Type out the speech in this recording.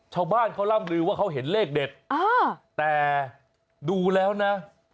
ชาวบ้านเขาร่ำลือว่าเขาเห็นเลขเด็ดแต่ดูแล้วนะ